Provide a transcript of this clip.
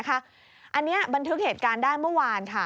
อันนี้บันทึกเหตุการณ์ได้เมื่อวาน